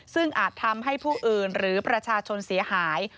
ซึ่งอาจทำให้ผู้อื่นหรือประชาชนเสียหาย